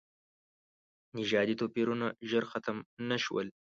نژادي توپیرونه ژر ختم نه شول.